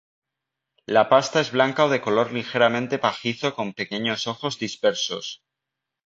La pasta es blanca o de color ligeramente pajizo con pequeños ojos dispersos.